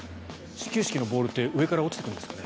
始球式のボールって上から落ちてくるんですかね。